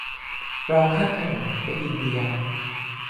รอข้ามถนน ไปกินเบียร์